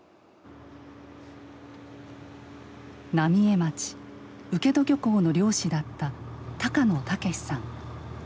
浪江町請戸漁港の漁師だった高野武さん。